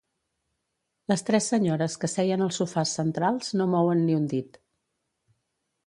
Les tres senyores que seien als sofàs centrals no mouen ni un dit.